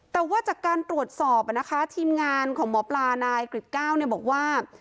แต่ว่าจากการตรวจสอบนะคะทีมงานของหมอปลานายกริจก้าวบอกว่า